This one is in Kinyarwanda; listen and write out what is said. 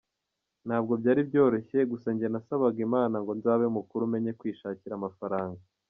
Ntabwo byari byoroshye, gusa njye nasabaga Imana ngo nzabe mukuru menye kwishakira amafaranga.